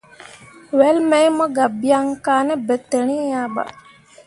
Wel mai mo tə ga byaŋ ka ne bentǝǝri ya ɓa.